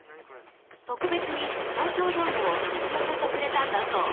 特別に投票道具を取り寄せてくれたんだそう。